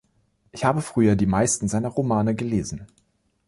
Ich habe früher die meisten seiner Romane gelesen.